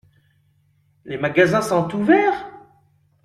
Les magasins sont ouverts ?